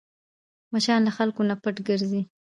مچان له خلکو نه پټ ګرځي